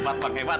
hebat bang hebat